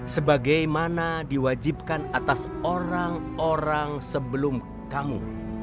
sebagaimana diwajibkan atas orang orang sebelum kamu